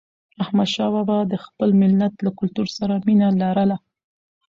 احمدشاه بابا د خپل ملت له کلتور سره مینه لرله.